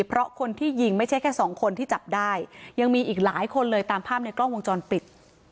เพราะคนที่ยิงไม่ใช่แค่สองคนที่จับได้ยังมีอีกหลายคนเลยตามภาพในกล้องวงจรปิด